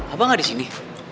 abah gak disini